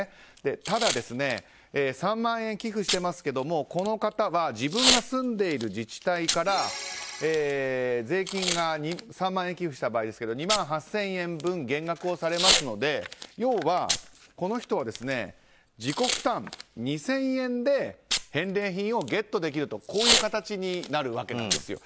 ただ３万円寄付してますけどこの方は自分が住んでいる自治体から３万円寄付した場合ですが税金が２万８０００円分減額をされますので要は、この人は自己負担２０００円で返礼品をゲットできるという形になるわけですよ。